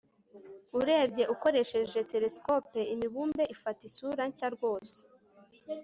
urebye ukoresheje telesikope, imibumbe ifata isura nshya rwose